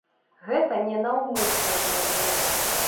Гэта не наўмысна зроблена.